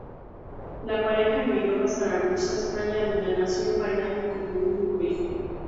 La pareja emigró a Zaragoza, España donde nació Mariano como único hijo.